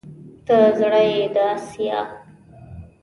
ته زړه يې د اسيا